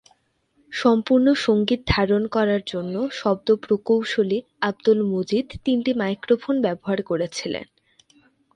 সম্পূর্ণ সঙ্গীত ধারণ করার জন্য শব্দ প্রকৌশলী আব্দুল মজিদ তিনটি মাইক্রোফোন ব্যবহার করেছিলেন।